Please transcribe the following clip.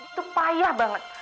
itu payah banget